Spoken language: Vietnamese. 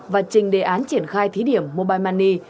và trình đề án triển khai thí điểm mobile money